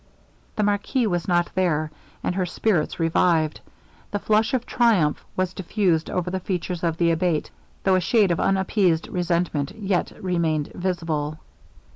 The marquis was not there, and her spirits revived. The flush of triumph was diffused over the features of the Abate, though a shade of unappeased resentment yet remained visible.